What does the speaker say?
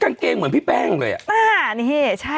กางเกงเหมือนพี่แป้งเลยอ่ะ